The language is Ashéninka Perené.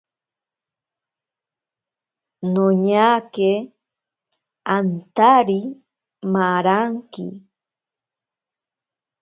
Noñake antari maranki.